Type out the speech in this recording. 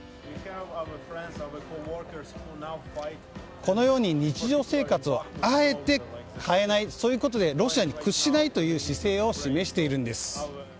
このように日常生活をあえて変えないそういうことでロシアに屈しないという姿勢を示しているんです。